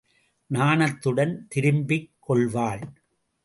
நாணத்துடன் திரும்பிக் கொள்வாள்.